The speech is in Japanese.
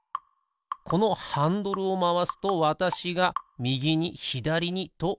このハンドルをまわすとわたしがみぎにひだりにとうごく箱。